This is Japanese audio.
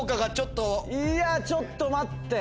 ちょっと待って。